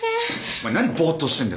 お前何ボーッとしてんだよ。